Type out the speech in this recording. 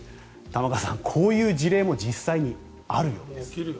玉川さん、こういう事例も実際にあるようです。